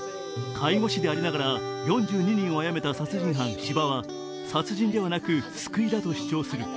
介護士でありながら４２人をあやめた殺人犯・斯波は殺人ではなく救いだと主張する。